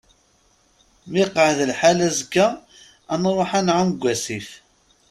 Ma iqeεεed lḥal azekka ad nruḥ ad nεumm deg asif.